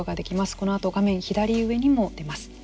このあと、画面左上にも出ます。